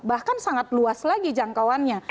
bahkan sangat luas lagi jangkauannya